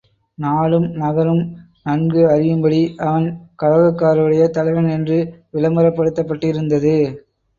நாடும், நகரும் நன்கு அறியும்படி அவன் கலகக்காரருடைய தலைவன் என்று விளம்பரப்படுத்தப்பட்டிருந்தது.